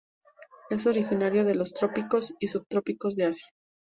Es originario de los trópicos y subtrópicos de Asia.